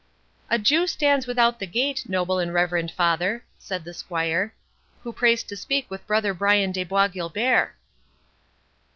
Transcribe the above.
"A Jew stands without the gate, noble and reverend father," said the Squire, "who prays to speak with brother Brian de Bois Guilbert."